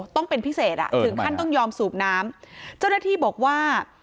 ต้องเป็นพิเศษอ่ะถึงขั้นต้องยอมสูบน้ำเจ้าหน้าที่บอกว่า